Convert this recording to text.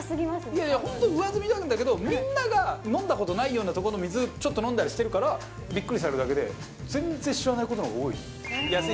いやいや、本当、上澄みなんだけど、みんなが飲んだことのないような水をちょっと飲んだりしてるから、びっくりされるだけで、全然知らないことのほうが多いです。